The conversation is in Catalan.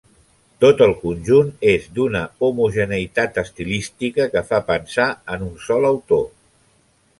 Tot el conjunt és d'una homogeneïtat estilística que fa pensar en un sol autor.